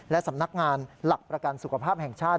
และสำนักงานหลักประกันสุขภาพแห่งชาติ